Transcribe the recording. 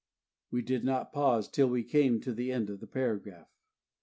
We did not pause till we came to the end of the paragraph.